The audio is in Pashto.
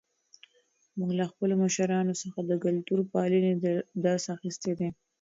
موږ له خپلو مشرانو څخه د کلتور پالنې درس اخیستی دی.